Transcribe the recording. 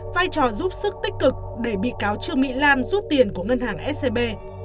vai trò giúp sức tích cực để bị cáo trương mỹ lan rút tiền của ngân hàng scb